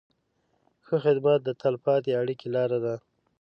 ښه خدمت د تل پاتې اړیکې لاره ده.